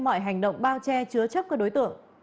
mọi hành động bao che chứa chấp các đối tượng